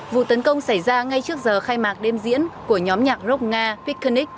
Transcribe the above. vụ tấn công xảy ra ngay trước giờ khai mạc đêm diễn của nhóm nhạc rock nga picannic